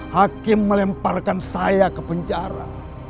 hakim melemparkan saya ke penjara